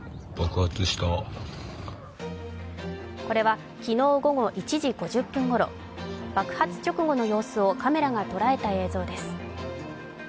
これは昨日午後１時５０分ごろ爆発直後の様子をカメラが捉えた映像です。